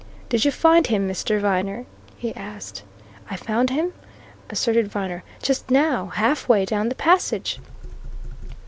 "Did you find him, Mr. Viner?" he asked. "I found him," asserted Viner. "Just now halfway down the passage!"